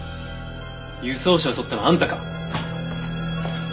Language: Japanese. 輸送車を襲ったのあんたか？